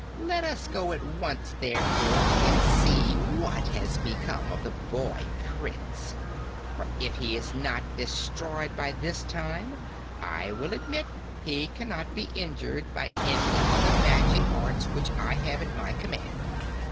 Let us go at once, therefore, and see what has become of the boy Prince, for if he is not destroyed by this time I will admit he cannot be injured by any of the magic arts which I have at my command."